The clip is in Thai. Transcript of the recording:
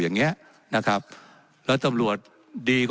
และยังเป็นประธานกรรมการอีก